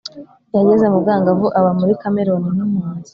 yageze mu bwangavu aba muri kameruni nk’impunzi.